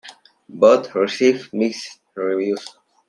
Both received mixed reviews.